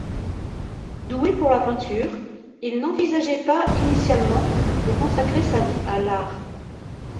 Doué pour la peinture, il n'envisageait pas initialement de consacrer sa vie à l'art.